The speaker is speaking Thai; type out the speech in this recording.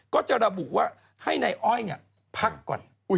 ก็จะระบุว่าให้นายอ้อยพักก่อน